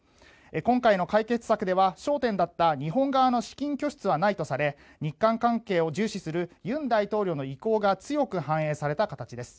今回の解決策では、焦点だった日本側の資金拠出はないとされ日韓関係を重視する尹大統領の意向が強く反映された形です。